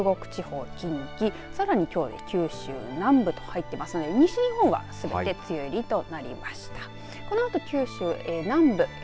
西日本は九州きのうで北部四国、中国地方、近畿さらにきょうで九州南部と入っていますので西日本はすべて梅雨入りとなりました。